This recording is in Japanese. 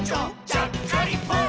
ちゃっかりポン！」